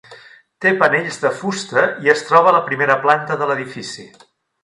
Té panells de fusta i es troba a la primera planta de l'edifici.